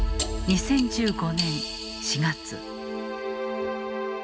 ２０１５年４月。